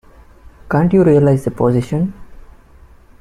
Can't you realize the position?